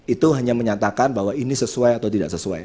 itu hanya menyatakan bahwa ini sesuai atau tidak sesuai